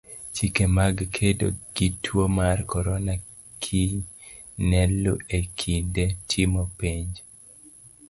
Chike mag kedo gi tuo mar korona kiny ne luu e kinde timo penj.